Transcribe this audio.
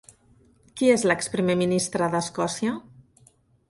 Qui és l'ex-primer ministre d'Escòcia?